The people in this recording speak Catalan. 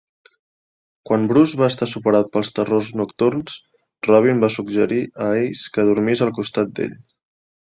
Quan Bruce va estar superat pels terrors nocturns, Robin va suggerir a Ace que dormís al costat d'ell.